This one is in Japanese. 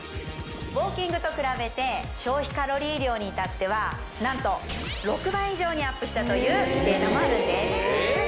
ウォーキングと比べて消費カロリー量にいたっては何と６倍以上にアップしたというデータもあるんですえっ？